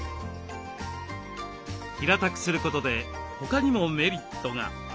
平たくすることで他にもメリットが。